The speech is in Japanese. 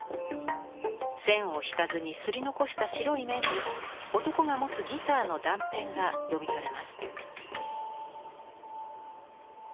線を引かずに刷り残した白い面に男が持つギターの断片が読み取れます。